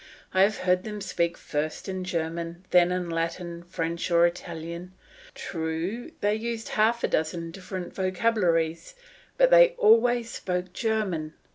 I have heard them speak first in German, then in Latin, French, or Italian; true, they used half a dozen different vocabularies, but they always spoke German.